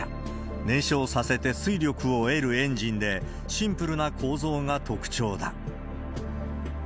燃焼させて推力を得るエンジンで、シンプルな構造が特徴だ。